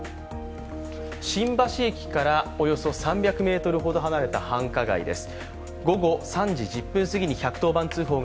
新橋駅からおよそ３００ｍほど離れた繁華街です。